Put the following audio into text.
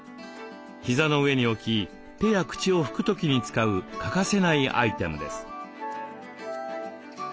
膝の上に置き手や口を拭く時に使う欠かせないアイテムです。